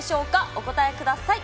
お答えください。